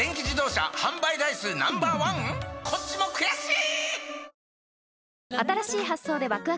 こっちも悔しい！